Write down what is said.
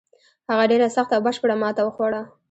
هغه ډېره سخته او بشپړه ماته وخوړه.